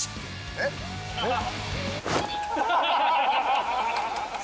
えっ？えっ？